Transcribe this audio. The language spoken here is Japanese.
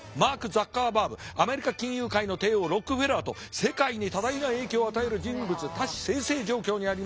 アメリカ金融界の帝王ロックフェラーと世界に多大な影響を与える人物多士済々状況にあります。